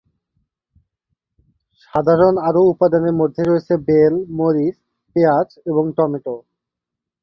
সাধারণ আরও উপাদানের মধ্যে রয়েছে বেল মরিচ, পেঁয়াজ এবং টমেটো।